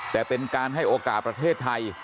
แต่เป็นการให้โอกาสประเทศไทย